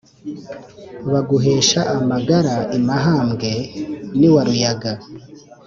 bagukesha amagara i mahambwe n’iwa ruyaga,